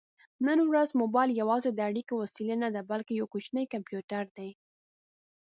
نن ورځ مبایل یوازې د اړیکې وسیله نه ده، بلکې یو کوچنی کمپیوټر دی.